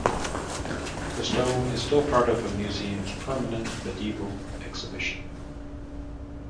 The stone is still part of the museum's permanent medieval exhibition.